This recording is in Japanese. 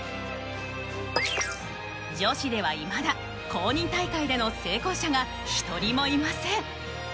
女子ではいまだ公認大会での成功者が一人もいません。